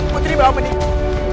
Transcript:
putri bawa pendek